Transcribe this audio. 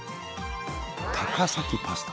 高崎パスタ！